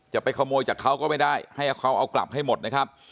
จะไปขโมยจากเขาก็ไม่ได้ให้เขาเอากลับให้หมดนะครับ